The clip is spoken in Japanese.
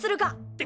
って